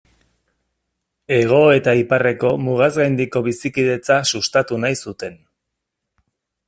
Hego eta Iparreko mugaz gaindiko bizikidetza sustatu nahi zuten.